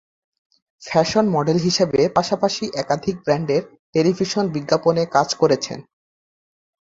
Fashion model হিসেবে পাশাপাশি একাধিক ব্র্যান্ডের টেলিভিশন বিজ্ঞাপনে কাজ করেছেন।